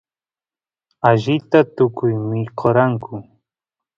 allita tukuy mikoranku